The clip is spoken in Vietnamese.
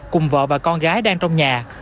cùng vợ và con gái đang trong nhà